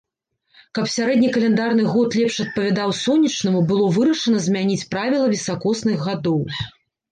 Каб сярэдні каляндарны год лепш адпавядаў сонечнаму, было вырашана змяніць правіла высакосных гадоў.